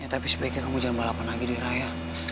tapi sebaiknya kamu jangan balapan lagi di raya